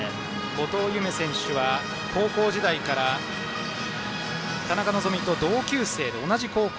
後藤夢選手は高校時代から田中希実と同級生で同じ高校。